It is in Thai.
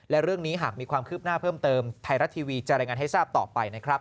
และเรื่องนี้หากมีความคืบหน้าเพิ่มเติมไทยรัฐทีวีจะรายงานให้ทราบต่อไปนะครับ